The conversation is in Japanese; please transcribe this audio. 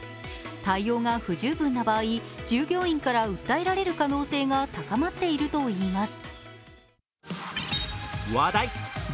対応が不十分な場合従業員から訴えられる可能性が高まっているといいます。